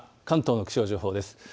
関東の気象情報です。